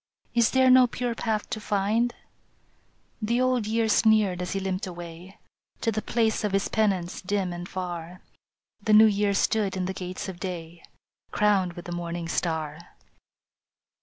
Is there no pure path to find? " The Old Year sneered as he limped away To the place of his penance dim and far. The New Year stood in the gates of day, Crowned with the morning star.